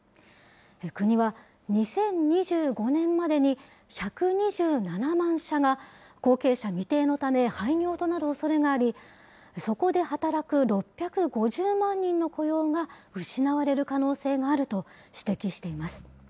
国は、２０２５年までに１２７万社が、後継者未定のため、廃業となるおそれがあり、そこで働く６５０万人の雇用が失われる可能性があると指摘しています。